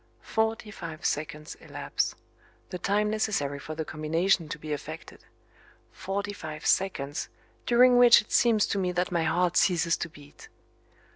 Forty five seconds elapse the time necessary for the combination to be effected forty five seconds during which it seems to me that my heart ceases to beat.